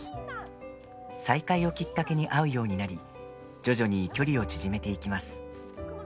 再会をきっかけに会うようになり徐々に距離を縮めていきます。